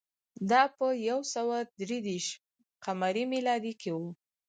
دا په یو سوه درې دېرش ق م کې و